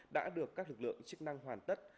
đã được các lực lượng chức năng hoàn tất